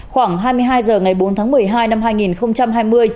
khoảng hai mươi hai h ngày bốn tháng một mươi hai năm hai nghìn hai mươi